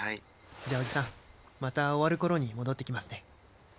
じゃあおじさんまた終わる頃に戻ってきますね。